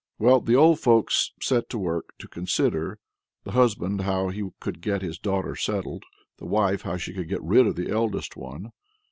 Well, the old folks set to work to consider the husband how he could get his daughters settled, the wife how she could get rid of the eldest one.